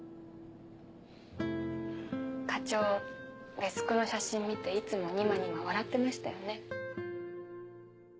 課長デスクの写真見ていつもニマニマ笑ってましたよね。